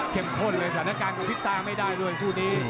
เข้มข้นเลยสถานการณ์กับพิษตาไม่ได้ด้วยผู้นี้